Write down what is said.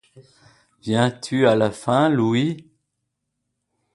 Viens-tu à la fin, Louis?